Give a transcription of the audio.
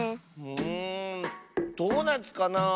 んドーナツかなあ。